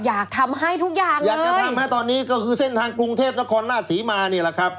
อยากให้ทุกอย่างอยากจะทำให้ตอนนี้ก็คือเส้นทางกรุงเทพนครราชศรีมานี่แหละครับ